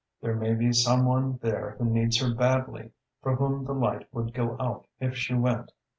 There may be some one there who needs her badly: for whom the light would go out if she went.